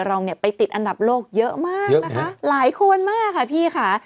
เราเนี่ยไปติดอันดับโลกเยอะมากนะคะหลายคนมากค่ะพี่ค่ะ